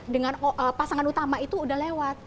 dengan pasangan utama itu udah lewat